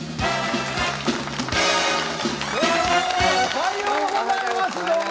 おはようございますどうも。